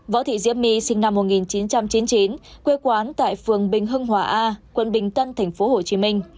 võ thị diễm my sinh năm một nghìn chín trăm chín mươi chín quê quán tại phường bình hưng hòa a quận bình tân tp hcm